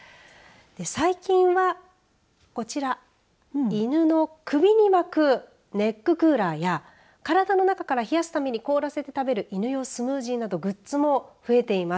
最近はこちら犬の首に巻くネッククーラーや体の中から冷やすために凍らせて食べる犬用スムージーなどグッズも増えています。